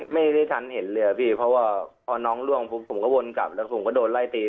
ไม่ทันเห็นเรือพี่เพราะว่าพอน้องล่วงปุ๊บผมก็วนกลับแล้วผมก็โดนไล่ตี